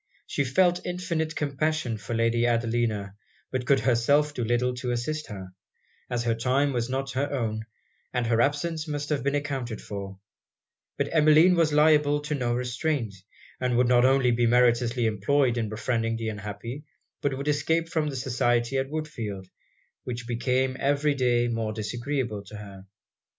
She felt infinite compassion for Lady Adelina; but could herself do little to assist her, as her time was not her own and her absence must have been accounted for: but Emmeline was liable to no restraint; and would not only be meritoriously employed in befriending the unhappy, but would escape from the society at Woodfield, which became every day more disagreeable to her.